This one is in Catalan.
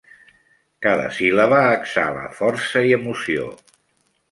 Cada síl·laba exhala força i emoció.